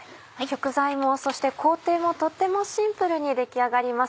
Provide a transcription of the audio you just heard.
食材もそして工程もとてもシンプルに出来上がります。